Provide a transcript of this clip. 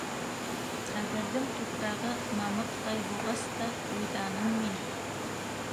Ҡәберҙең тупрағы мамыҡтай буғас та уйҙаным мин.